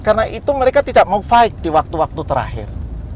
karena itu mereka tidak mau fight di waktu waktu terakhir